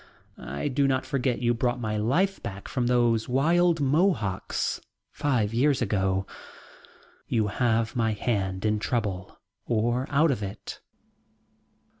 I do not forget you bought my life back from those wild Mohawks five years ago. You have my hand in trouble or out of it."